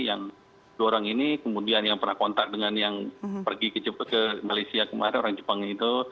yang dua orang ini kemudian yang pernah kontak dengan yang pergi ke malaysia kemarin orang jepangnya itu